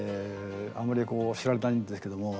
あんまりこう知られてないんですけども。